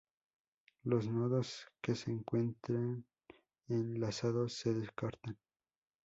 Los nodos que se encuentren enlazados se descartan.